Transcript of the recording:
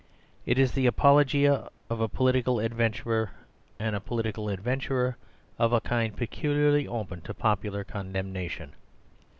It is the apologia of a political adventurer, and a political adventurer of a kind peculiarly open to popular condemnation.